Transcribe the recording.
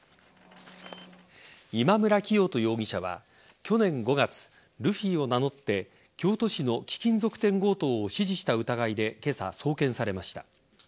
今村磨人容疑者は、去年５月ルフィを名乗って京都市の貴金属店強盗を指示した疑いで今朝、送検されました。